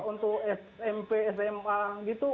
untuk smp sma gitu